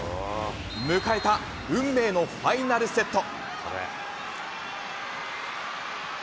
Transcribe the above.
迎えた運命のファイナルセット。